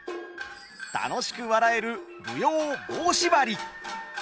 楽しく笑える舞踊「棒しばり」。